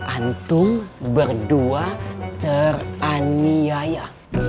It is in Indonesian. antum berdua teraniaya